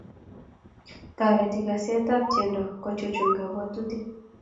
toritei kasetab tyendo kochuchuch kabwotutik